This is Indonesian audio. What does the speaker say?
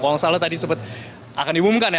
kalau misalnya tadi sempat akan diumumkan ya